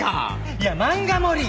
いや漫画盛り！